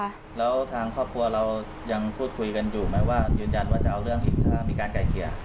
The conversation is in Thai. แล้วทางครอบครัวเรายังพูดคุยกันอยู่ไหมว่ายืนยันว่าจะเอาเรื่องถ้ามีการไกลเกลี่ย